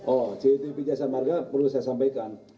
oh citp jasa marga perlu saya sampaikan